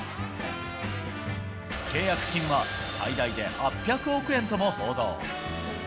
契約金は最大で８００億円とも報道。